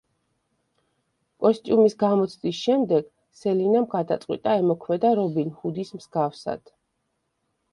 კოსტიუმის გამოცდის შემდეგ სელინამ გადაწყვიტა ემოქმედა რობინ ჰუდის მსგავსად.